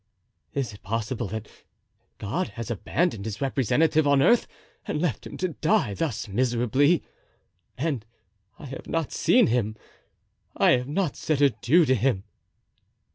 Is it possible that God has abandoned His representative on earth and left him to die thus miserably? And I have not seen him! I have not said adieu to him!"